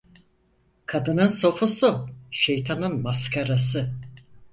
Kadının sofusu, şeytanın maskarası.